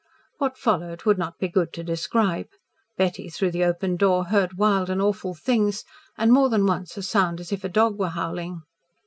What followed would not be good to describe. Betty through the open door heard wild and awful things and more than once a sound as if a dog were howling.